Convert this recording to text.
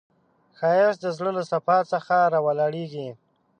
ښایست د زړه له صفا څخه راولاړیږي